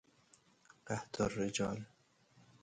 قحط الرجال